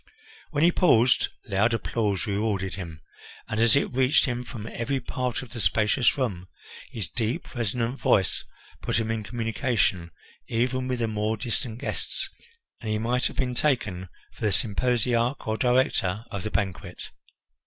When he paused, loud applause rewarded him, and as it reached him from every part of the spacious room, his deep, resonant voice put him in communication even with the more distant guests, and he might have been taken for the symposiarch or director of the banquet.